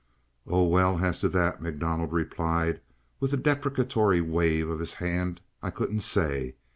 "Oh, well, as to that," MacDonald replied, with a deprecatory wave of his hand, "I couldn't say.